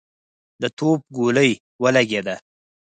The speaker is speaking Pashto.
د توپ ګولۍ ولګېده.